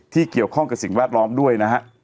เกี่ยวข้องกับสิ่งแวดล้อมด้วยนะฮะ